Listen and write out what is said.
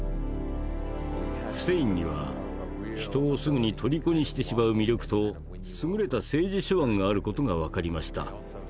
フセインには人をすぐにとりこにしてしまう魅力と優れた政治手腕がある事が分かりました。